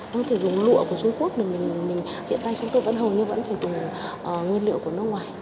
không thể dùng lụa của trung quốc hiện tại chúng tôi vẫn hầu như vẫn phải dùng nguyên liệu của nước ngoài